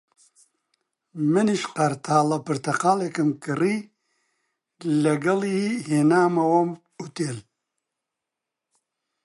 منیش قەرتاڵە پرتەقاڵێکم کڕی، لەگەڵی هێنامەوە ئوتێل